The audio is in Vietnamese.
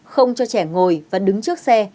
không cho trẻ ngồi và đứng trước xe